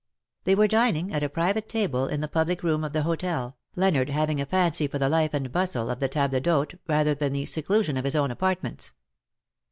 They were dining at a private table in the public room of the hotel, Leonard having a fancy for the life and bustle of the table d^hote rather than the seclusion of his own apartments.